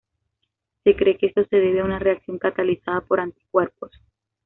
Se cree que esto se debe a una reacción catalizada por anticuerpos.